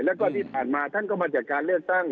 แล้วก็ที่ผ่านมาท่านก็มาจากการเลือกตั้ง